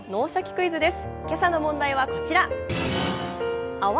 クイズ」です。